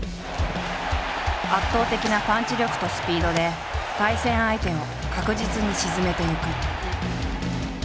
圧倒的なパンチ力とスピードで対戦相手を確実に沈めていく。